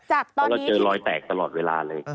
เพราะเราเจอรอยแตกตลอดเวลาเลย